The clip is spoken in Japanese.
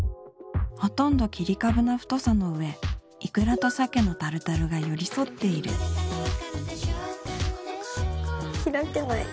ほとんど切り株な太さのうえイクラとサケのタルタルが寄り添っている開けない